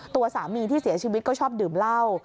ตัวสามีที่เสียชีวิตก็ชอบดื่มเหล้า